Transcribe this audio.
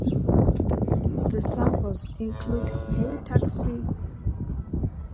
The samples include Hey taxi!